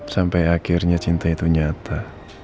sampai akhirnya cinta itu nyata